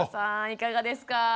いかがですか？